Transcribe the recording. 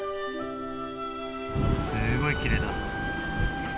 すごい、きれいだ。